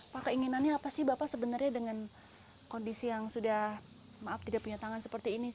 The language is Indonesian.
pak keinginannya apa sih bapak sebenarnya dengan kondisi yang sudah maaf tidak punya tangan seperti ini